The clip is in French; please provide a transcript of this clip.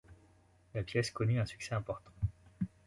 La pièce connut un succès important.